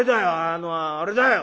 あのあれだよ！